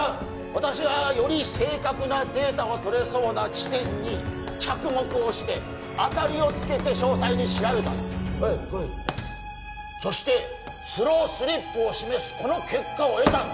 私はより正確なデータが取れそうな地点に着目をして当たりをつけて詳細に調べたんだおい来いそしてスロースリップを示すこの結果を得たんだ